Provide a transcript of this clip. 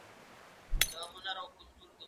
زه به سپينکۍ مينځلي وي؟!